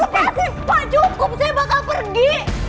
pak cukup saya bakal pergi